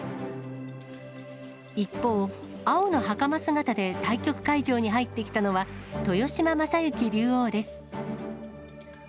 一方、青のはかま姿で対局会場に入ってきたのは、豊島将之竜王です。